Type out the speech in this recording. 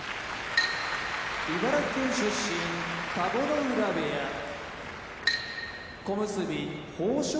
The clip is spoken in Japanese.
茨城県出身田子ノ浦部屋小結豊昇